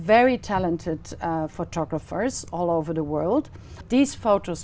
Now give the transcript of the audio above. vì việt nam có nhiều thứ hơn so với những thành phố này